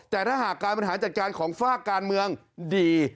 แต่ถ้าหากการบริหารจัดการของฝากการเมืองดี